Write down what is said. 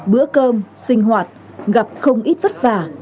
bữa cơm sinh hoạt gặp không ít vất vả